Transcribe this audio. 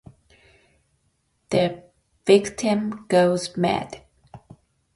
The victim goes mad.